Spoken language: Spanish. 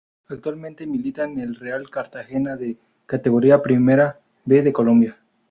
Actualmente milita en el Real Cartagena de la Categoría Primera B de Colombia.